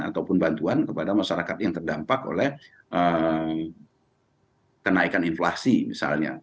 ataupun bantuan kepada masyarakat yang terdampak oleh kenaikan inflasi misalnya